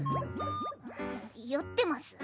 酔ってます？